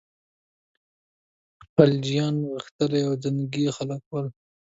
خلجیان غښتلي او جنګي خلک ول.